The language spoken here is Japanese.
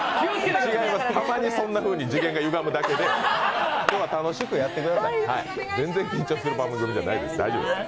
違います、たまにそんなふうに次元がゆがむだけで、今日は楽しくやってください、全然緊張する番組じゃないです。